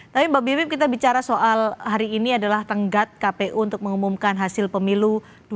tapi mbak bibip kita bicara soal hari ini adalah tenggat kpu untuk mengumumkan hasil pemilu dua ribu sembilan belas